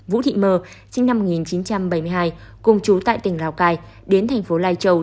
vũ thị mơ sinh năm một nghìn chín trăm bảy mươi hai cùng chú tại tỉnh lào cai đến thành phố lai châu